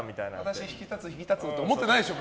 私、引き立つって思ってないでしょ？